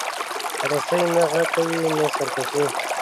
رسۍ نه غږ کوي، نه سرکشي.